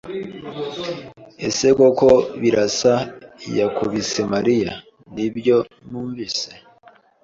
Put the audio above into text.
"Ese koko Birasa yakubise Mariya?" "Nibyo numvise."